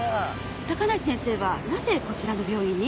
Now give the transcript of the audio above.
高梨先生はなぜこちらの病院に？